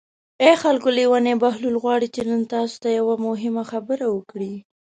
ای خلکو لېونی بهلول غواړي چې نن تاسو ته یوه مهمه خبره وکړي.